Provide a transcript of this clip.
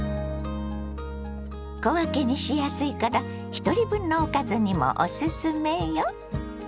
小分けにしやすいからひとり分のおかずにもオススメよ！